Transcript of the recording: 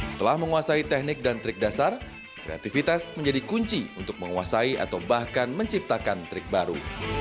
setelah menguasai teknik dan trik dasar kreativitas menjadi kunci untuk menguasai atau bahkan menciptakan trik baru